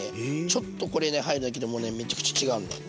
ちょっとこれね入るだけでもうねめちゃくちゃ違うんだよ。